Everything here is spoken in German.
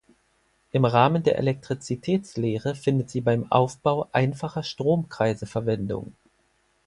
Im Rahmen der Elektrizitätslehre findet sie beim Aufbau einfacher Stromkreise Verwendung.